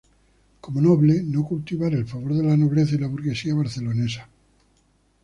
Como noble, no cultivar el favor de la nobleza y la burguesía barcelonesa.